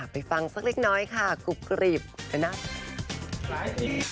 ไปฟังสักลิกน้อยค่ะกรูบกรีบอย่างน้ำ